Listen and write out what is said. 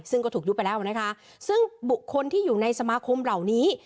ซึ่งก็ถูกยุบไปแล้วนะคะซึ่งบุคคลที่อยู่ในสมาคมเหล่านี้